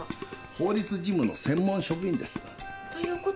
法律事務の専門職員です。ということは弁護士。